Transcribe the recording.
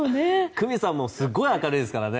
久美子さんもすごく明るいですからね